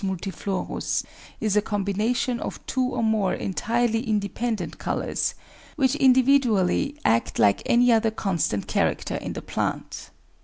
multiflorus is a combination of two or more entirely independent colours, which individually act like any other constant character in the plant.